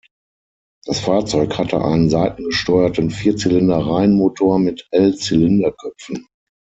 Das Fahrzeug hatte einen seitengesteuerten Vierzylinder-Reihenmotor mit L-Zylinderköpfen.